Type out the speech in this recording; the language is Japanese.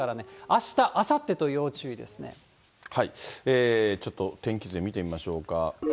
あした、ちょっと天気図で見てみましょうか。